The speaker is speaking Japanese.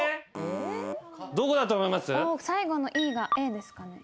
最後の「ｅ」が「ａ」ですかね？